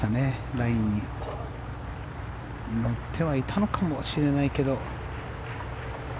ラインに乗ってはいたのかもしれないけど。